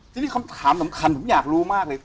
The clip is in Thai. ทีนี้คำถามสำคัญผมอยากรู้มากเลย